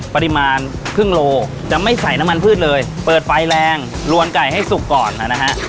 พัดมันพืชเลยเปิดไฟแรงรวนไก่ให้สุกก่อนนะฮะ